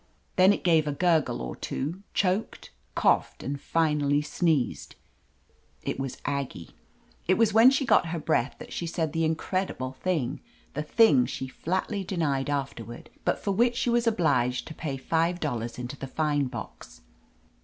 Then it gave a gurgle or two, choked, coughed and finally sneezed. We knew the sneeze; it was Aggie! It was when she got her breath that she said the incredible thing, the thing she flatly denied afterward, but for which she was obliged to pay five dollars into the fine box.